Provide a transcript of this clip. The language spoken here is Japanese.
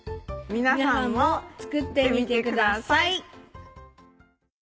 皆さんも作ってみてください。